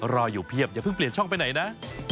รออยู่เพียบอย่าเพิ่งเปลี่ยนช่องไปไหนนะ